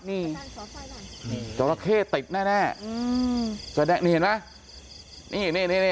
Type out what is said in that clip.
นี่เจ้าระเข้ติดแน่นี่เห็นไหมนี่